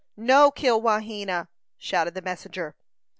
"No kill Wahena!" shouted the messenger.